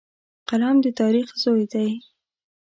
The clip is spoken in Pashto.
قلم د تاریخ زوی دی